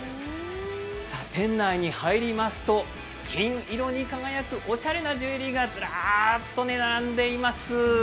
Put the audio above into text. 店内に入りますと金色に輝くおしゃれなジュエリーがずらっと並んでいます。